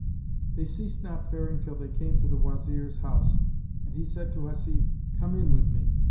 They ceased not faring till they came to the Wazir's house, and he said to Hasib, "Come in with me!"